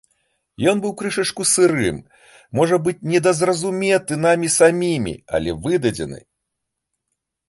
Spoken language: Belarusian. Ён быў крышачку сырым, можа быць, недазразуметы намі самімі, але выдадзены.